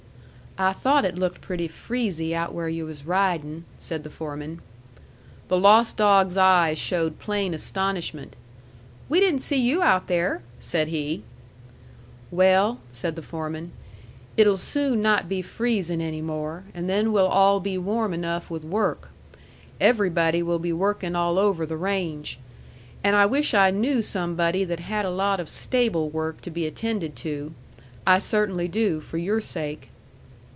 "I thought it looked pretty freezy out where yu' was riding," said the foreman. The lost dog's eyes showed plain astonishment. "We didn't see you out there," said he. "Well," said the foreman, "it'll soon not be freezing any more; and then we'll all be warm enough with work. Everybody will be working all over the range. And I wish I knew somebody that had a lot of stable work to be attended to. I cert'nly do for your sake."